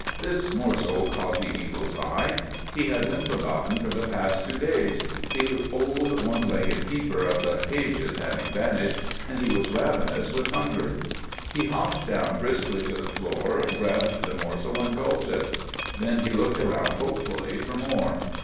This morsel caught the eagle's eye. He had been forgotten for the past two days—the old one legged keeper of the cages having vanished—and he was ravenous with hunger. He hopped down briskly to the floor, grabbed the morsel, and gulped it. Then he looked around hopefully for more.